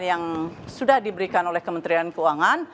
yang sudah diberikan oleh kementerian keuangan